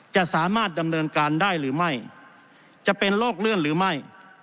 จะสามารถดำเนินการได้หรือไม่จะเป็นโรคเลื่อนหรือไม่